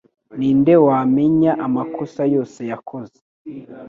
Ni nde wamenya amakosa yose yakoze?